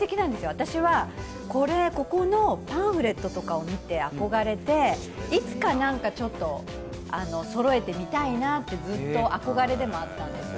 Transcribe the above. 私はここのパンフレットとかを見て憧れていつかちょっとそろえてみたいなとずっと憧れでもあったんですね。